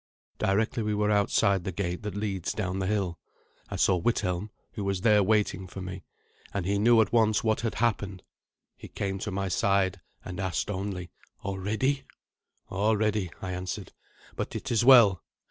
Directly we were outside the gate that leads down the hill, I saw Withelm, who was there waiting for me, and he knew at once what had happened. He came to my side, and asked only, "Already?" "Already," I answered; "but it is well.